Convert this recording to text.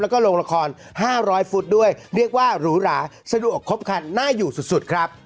แล้วก็ลงละคร๕๐๐ฟุตด้วยเรียกว่าหรูหราสะดวกครบคันน่าอยู่สุดครับ